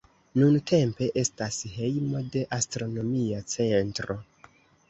Nuntempe estas hejmo de astronomia centro.